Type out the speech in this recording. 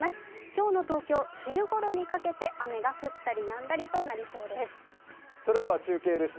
今日の東京、昼ごろにかけて雨が降ったりやんだりとなりそうです。